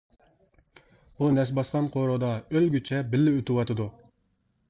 بۇ نەس باسقان قورۇدا ئۆلگۈچە بىللە ئۆتۈۋاتىدۇ.